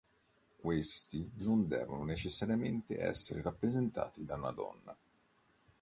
Questi non devono necessariamente essere rappresentati da una donna.